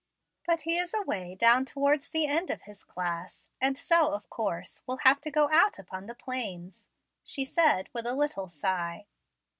"But he is away down towards the end of his class, and so, of course, will have to go out upon the Plains," she said, with a little sigh.